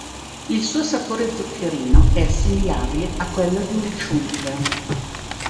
Il suo sapore zuccherino è assimilabile a quello di un "chewing gum".